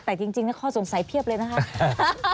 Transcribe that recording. แต่จริงข้อสงสัยเพียบเลยนะคะ